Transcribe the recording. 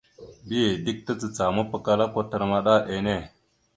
Mbiyez dik tacacah mapakala kwatar maɗa enne.